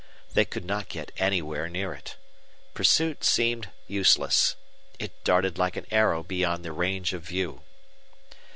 They could not get anywhere near it. Pursuit seemed useless. It darted like an arrow beyond the range of view.